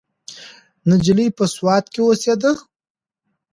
نجلۍ په سوات کې اوسیده.